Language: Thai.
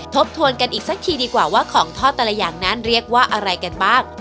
ทบทวนกันอีกสักทีดีกว่าว่าของทอดแต่ละอย่างนั้นเรียกว่าอะไรกันบ้าง